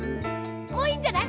もういいんじゃない？